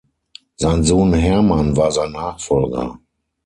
Sein Sohn Hermann war sein Nachfolger.